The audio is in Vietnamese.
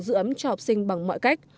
giữ ấm cho học sinh bằng mọi cách